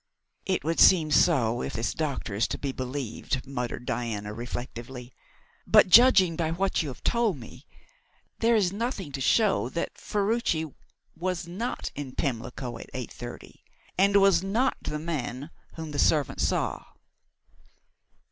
"It would seem so, if this doctor is to be believed," muttered Diana reflectively, "but judging by what you have told me, there is nothing to show that Ferruci was not in Pimlico at eight thirty, and was not the man whom the servant saw."